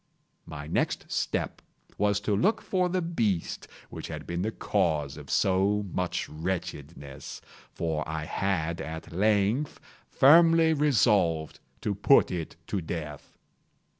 My next step was to look for the beast which had been the cause of so much wretchedness; for I had, at length, firmly resolved to put it to death.